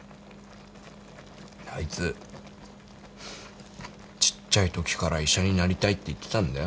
あいつちっちゃいときから医者になりたいって言ってたんだよ。